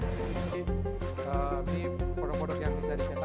ini foto foto yang bisa dicetak